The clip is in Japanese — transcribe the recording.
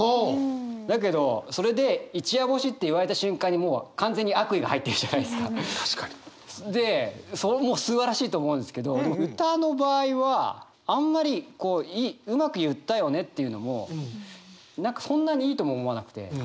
だけどそれで一夜干しって言われた瞬間にもうそれもすばらしいと思うんですけど歌の場合はあんまりうまく言ったよねっていうのも何かそんなにいいとも思わなくて。